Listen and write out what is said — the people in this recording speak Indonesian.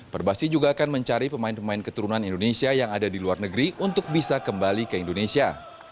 perbasi juga akan mencari pemain pemain keturunan indonesia yang ada di luar negeri untuk bisa kembali ke indonesia